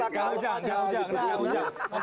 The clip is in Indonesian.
baik ga ujang ga ujang